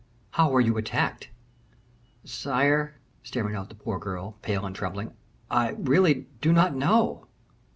How were you attacked?" "Sire," stammered out the poor child, pale and trembling, "I really do not know."